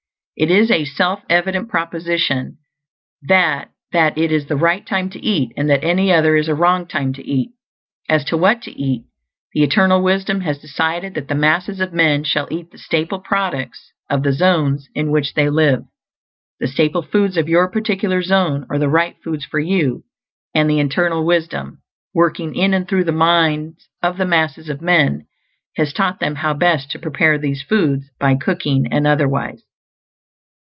It is a self evident proposition that that is the right time to eat, and that any other is a wrong time to eat. As to what to eat, the Eternal Wisdom has decided that the masses of men shall eat the staple products of the zones in which they live. The staple foods of your particular zone are the right foods for you; and the Eternal Wisdom, working in and through the minds of the masses of men, has taught them how best to prepare these foods by cooking and otherwise.